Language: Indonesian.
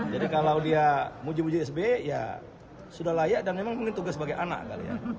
jadi kalau dia muji muji sby ya sudah layak dan memang mungkin tugas sebagai anak kali ya